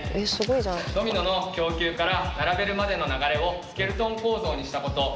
ドミノの供給から並べるまでの流れをスケルトン構造にしたこと。